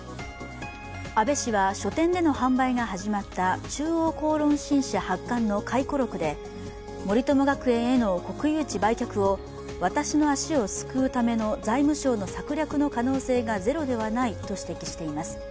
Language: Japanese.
安倍氏は書店での販売が始まった中央公論新社発刊の回顧録で森友学園への国有地売却を私の足をすくうための財務省の策略の可能性がゼロではないと指摘しています。